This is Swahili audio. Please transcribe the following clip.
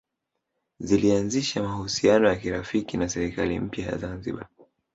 Zilianzisha mahusiano ya kirafiki na serikali mpya ya Zanzibar